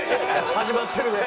始まってるね。